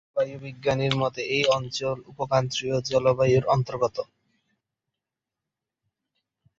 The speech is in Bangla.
জলবায়ু বিজ্ঞানীর মতে এই অঞ্চল উপক্রান্তীয় জলবায়ুর অন্তর্গত।